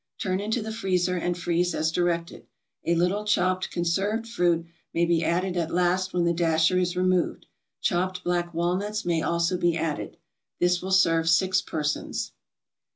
Turn into the freezer and freeze as directed. A little chopped conserved fruit may be added at last when the dasher is removed. Chopped black walnuts may also be added. This will serve six persons.